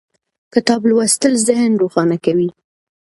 کتاب لوستل ذهن روښانه کوي